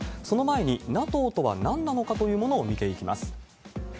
その前に、ＮＡＴＯとはなんなのかというものを見ていきます。